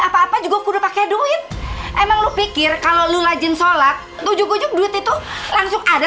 apa apa juga udah pakai duit emang lu pikir kalau lu lajin sholat tujuk ujuk duit itu langsung ada